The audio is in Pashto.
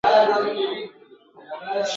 د خوږو دانو مزې ته هک حیران سو ..